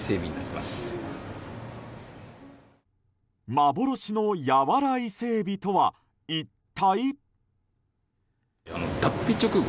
幻のやわらイセエビとは一体？